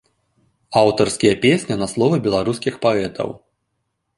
Аўтарскія песні на словы беларускіх паэтаў.